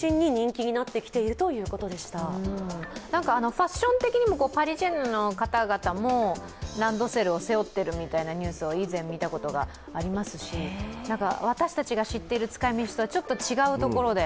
ファッション的にもパリジェンヌの方々もランドセルを背負っているみたいなニュースを以前見たことがありますし、私たちが知っている使いみちとはちょっと違うところで。